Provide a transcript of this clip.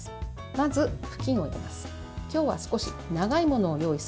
まず布巾を入れます。